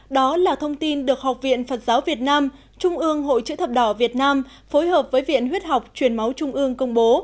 đó là thông tin được học viện phật giáo việt nam trung ương hội chữ thập đỏ việt nam phối hợp với viện huyết học truyền máu trung ương công bố